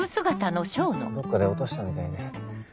どっかで落としたみたいで。